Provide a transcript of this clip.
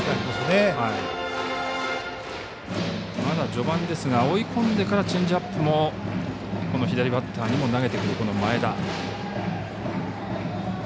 まだ序盤ですが追い込んでからチェンジアップも左バッターにも投げてくる前田。